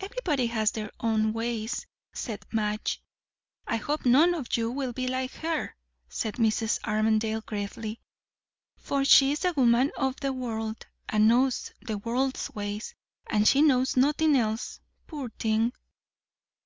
"Everybody has their own ways," said Madge. "I hope none of you will be like her," said Mrs. Armadale gravely; "for she's a woman of the world, and knows the world's ways, and she knows nothin' else, poor thing!"